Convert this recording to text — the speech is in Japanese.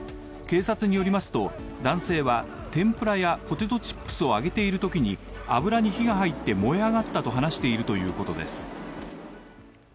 警察によりますと男性は、天ぷらやポテトチップスを揚げているときに油に火が入って燃え上がったと話しているということです。